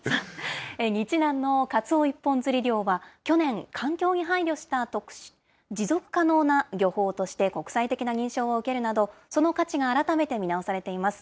日南のかつお一本釣り漁は、去年、環境に配慮した持続可能な漁法として国際的な認証を受けるなど、その価値が改めて見直されています。